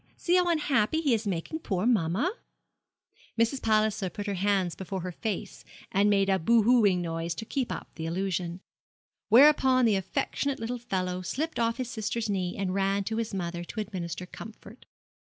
See how unhappy he is making poor mamma.' Mrs. Palliser put her hands before her face, and made a bohooing noise to keep up the illusion; whereupon the affectionate little fellow slipped off his sister's knee, and ran to his mother to administer comfort.